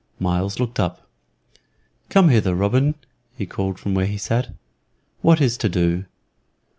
Myles looked up. "Come hither, Robin," he called from where he sat. "What is to do?"